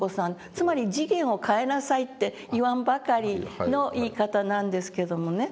つまり次元を変えなさいって言わんばかりの言い方なんですけどもね。